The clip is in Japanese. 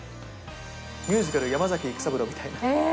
ミュージカル、山崎育三郎みたいな。